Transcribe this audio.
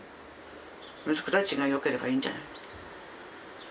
息子たちがよければいいんじゃない？